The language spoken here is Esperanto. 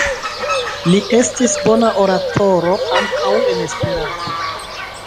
Li estis bona oratoro ankaŭ en Esperanto.